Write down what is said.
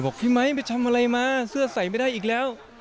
พี่ไมค์ไปทำอะไรมาเสื้อใส่ไม่ได้อีกแล้ว